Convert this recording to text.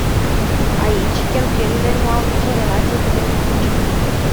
Aici, cheltuielile nu au nicio relație cu beneficiul.